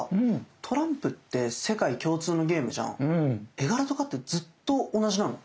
絵柄とかってずっと同じなの？